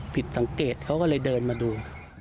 ผิดสังเกตเขาก็เลยเดินมาดู